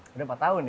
sudah empat tahun ya